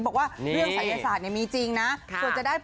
บอกว่าเนี่ยเริ่งศัยศาสตร์เนี่ยมีจริงนะ